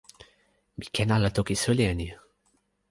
mi ken ala toki suli e ni.